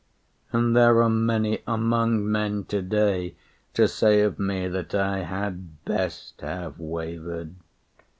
And there are many among men today To say of me that I had best have wavered.